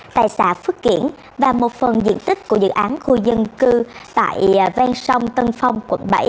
tại xã phước kiển và một phần diện tích của dự án khu dân cư tại ven sông tân phong quận bảy